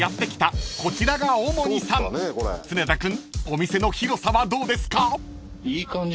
お店の広さはどうですか？］